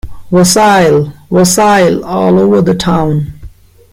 Wassail, wassail all over the town.